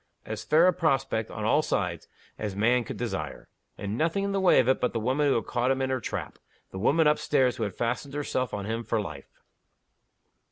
As fair a prospect, on all sides, as man could desire. And nothing in the way of it but the woman who had caught him in her trap the woman up stairs who had fastened herself on him for life.